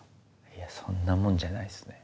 いやそんなもんじゃないっすね。